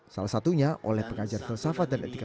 salah satunya oleh pengajar filsafat dan etika